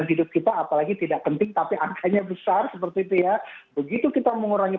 hidup kita apalagi tidak penting tapi angkanya besar seperti itu ya begitu kita mengurangi